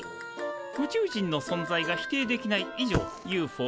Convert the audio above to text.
宇宙人の存在が否定できない以上ＵＦＯ